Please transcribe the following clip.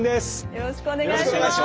よろしくお願いします。